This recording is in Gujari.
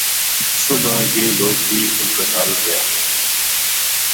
صبح یہ لوک بھی اِنھ کے نال گیا